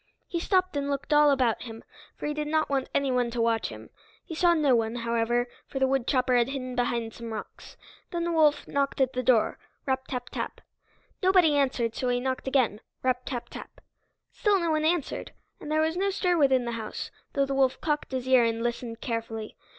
He stopped and looked all about him, for he did not want anyone to watch him. He saw no one, however, for the woodchopper had hidden behind some rocks. Then the wolf knocked at the door, rap tap tap! Nobody answered, so he knocked again, rap tap tap! Still no one answered, and there was no stir within the house, though the wolf cocked his ear and listened carefully.